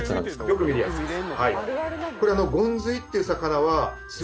よく見るやつです。